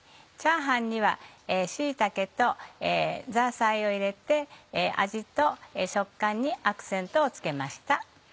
チャーハンには椎茸とザーサイを入れて味と食感にアクセントをつけました。